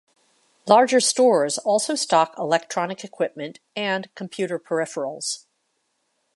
Larger stores also stock electronic equipment and computer peripherals.